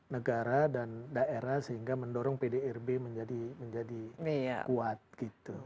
negara dan daerah sehingga mendorong pdrb menjadi kuat gitu